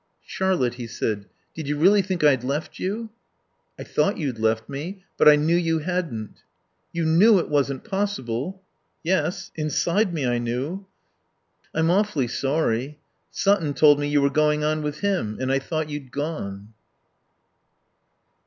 "Charlotte," he said, "did you really think I'd left you?" "I thought you'd left me. But I knew you hadn't." "You knew it wasn't possible?" "Yes. Inside me I knew." "I'm awfully sorry. Sutton told me you were going on with him, and I thought you'd gone."